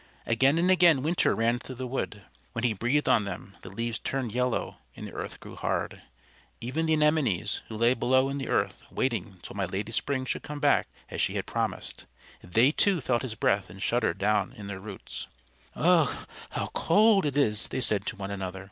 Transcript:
Again and again Winter ran through the wood. When he breathed on them, the leaves turned yellow and the earth grew hard. Even the Anemones, who lay below in the earth waiting till my Lady Spring should come back as she had promised, they too felt his breath and shuddered down in their roots. "Ugh! how cold it is!" they said to one another.